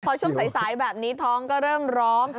พอช่วงสายแบบนี้ท้องก็เริ่มร้อง